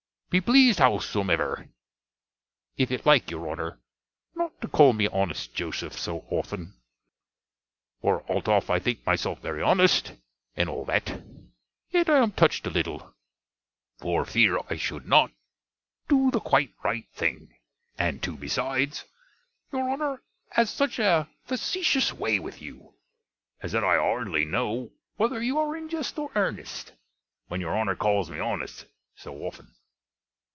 Be pleased, howsomever, if it like your Honner, not to call me honest Joseph, so often. For, althoff I think myself verry honnest, and all that, yet I am touched a littel, for fear I should not do the quite right thing: and too besides, your Honner has such a fesseshious way with you, as that I hardly know whether you are in jest or earnest, when your Honner calls me honnest so often.